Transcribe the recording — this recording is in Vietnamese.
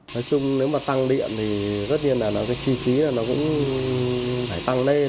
nói chung nếu mà tăng điện thì rất nhiên là cái chi phí nó cũng phải tăng lên